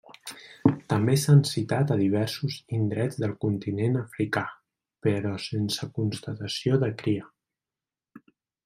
També s'han citat a diversos indrets del continent africà, però sense constatació de cria.